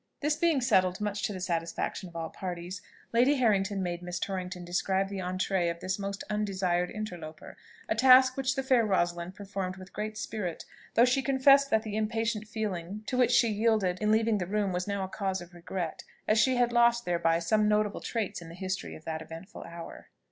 This being settled much to the satisfaction of all parties, Lady Harrington made Miss Torrington describe the entrée of this most undesired interloper; a task which the fair Rosalind performed with great spirit, though she confessed that the impatient feeling to which she yielded in leaving the room was now a cause of regret, as she had lost thereby some notable traits in the history of that eventful hour.